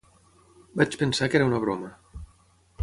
Vaig pensar que era una broma.